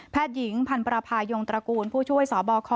หญิงพันประพายงตระกูลผู้ช่วยสบค